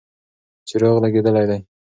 څراغ لګېدلی دی.